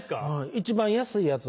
一番安いやつ。